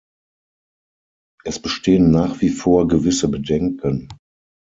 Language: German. Es bestehen nach wie vor gewisse Bedenken.